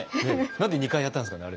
なんで２回やったんですかね